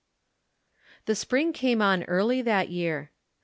The spring came on early that year.